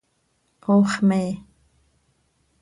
Ox mee.